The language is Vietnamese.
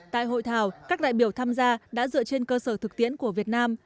tại hội thảo các đại biểu tham gia đã dựa trên cơ sở thực tiễn của việt nam